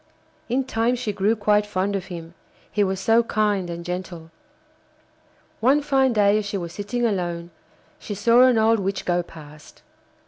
In time she grew quite fond of him, he was so kind and gentle. One fine day as she was sitting alone she saw an old witch go past.